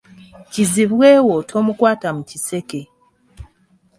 Kizibwe wo tomukwata mu kiseke.